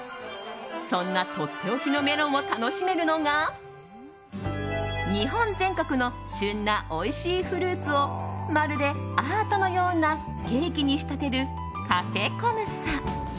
そんな、とっておきのメロンを楽しめるのが日本全国の旬なおいしいフルーツをまるでアートのようなケーキに仕立てるカフェコムサ。